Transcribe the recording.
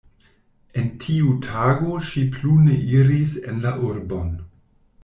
En tiu tago ŝi plu ne iris en la urbon.